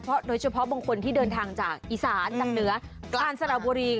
โดยเฉพาะบางคนที่เดินทางจากอีสานจากเหนือกลางสระบุรี